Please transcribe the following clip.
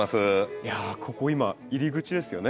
いやここ今入り口ですよね。